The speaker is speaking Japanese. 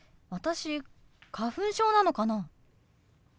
私花粉症なのかな？